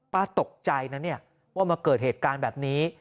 ป้าตกใจนะเนี่ยว่ามาเกิดเหตุการณ์แบบนี้